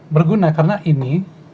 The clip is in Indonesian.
berguna karena ini